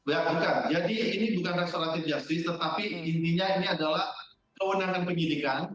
ya bukan jadi ini bukan restoratif justice tetapi intinya ini adalah kewenangan penyidikan